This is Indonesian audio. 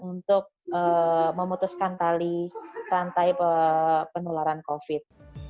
untuk memutuskan rantai penularan covid sembilan belas